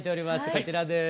こちらです。